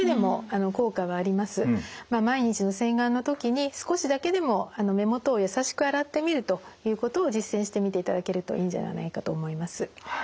毎日の洗顔の時に少しだけでも目元を優しく洗ってみるということを実践してみていただけるといいんじゃないかと思います。